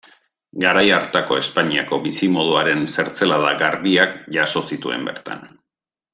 Garai hartako Espainiako bizimoduaren zertzelada garbiak jaso zituen bertan.